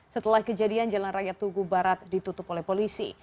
setelah kejadian jalan raya tugu barat ditutup oleh polisi